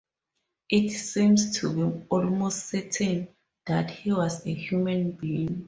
It seems to be almost certain that he was a human being.